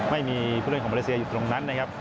ไม่มีผู้เล่นของมาเลเซียอยู่ตรงนั้นนะครับ